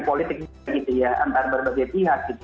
politik gitu ya antara berbagai pihak gitu